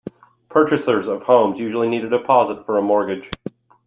Purchasers of homes usually need a deposit for a mortgage.